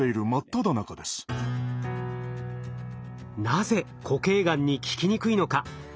なぜ固形がんに効きにくいのか。